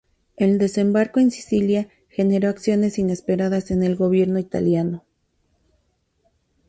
El desembarco en Sicilia generó acciones inesperadas en el gobierno italiano.